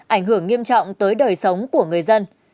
ảnh hưởng nghiêm trọng tới đời sống của người dân